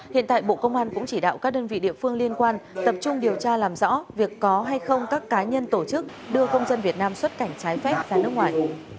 hiện tại bộ công an cũng chỉ đạo các đơn vị địa phương liên quan tập trung điều tra làm rõ việc có hay không các cá nhân tổ chức đưa công dân việt nam xuất cảnh trái phép ra nước ngoài